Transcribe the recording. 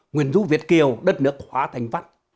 nguyện rũ việt kiều đất nước hóa thành văn